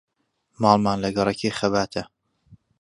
ماڵمان لە گەڕەکی خەباتە.